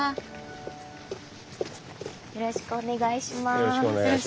よろしくお願いします。